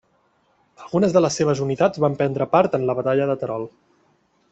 Algunes de les seves unitats van prendre part en la batalla de Terol.